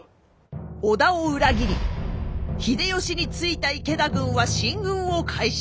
織田を裏切り秀吉についた池田軍は進軍を開始。